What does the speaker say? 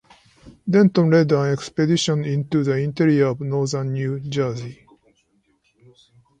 Denton led an expedition into the interior of northern New Jersey.